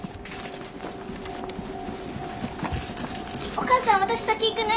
お母さん私先行くね。